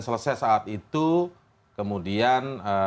selesai saat itu kemudian